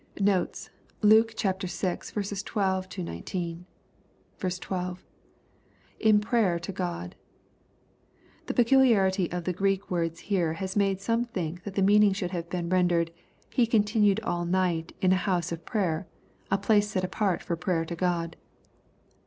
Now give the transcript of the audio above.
Notes. Luke VI. 12—19. 12. — \In prayer^ to God.] The peculiarity of the Greek words here has made some think that the meaning should have been ren dered, He continued all night " in a house of prayer," a place set apart for prayer to God.